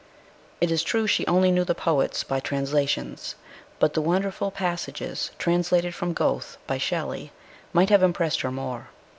It is true she only knew the poets by translations, but the wonderful passages translated from Goethe by Shelley might have impressed her more.